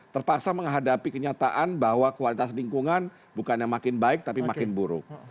terpaksa menghadapi kenyataan bahwa kualitas lingkungan bukannya makin baik tapi makin buruk